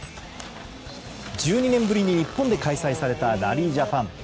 １２年ぶりに日本で開催されたラリー・ジャパン。